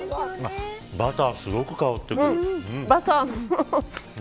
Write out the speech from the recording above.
バターすごく香ってくる。